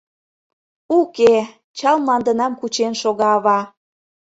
Уке, чал мландынам кучен шога ава.